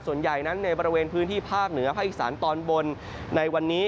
ส่วนใหญ่นั้นในบริเวณพื้นที่ภาคเหนือภาคอีสานตอนบนในวันนี้